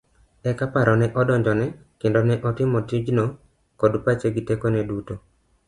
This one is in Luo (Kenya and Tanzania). Eka paro ne odonjone kendo ne otimo tijno kod pache gi teko ne duto.